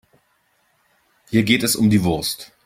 Hier geht es um die Wurst.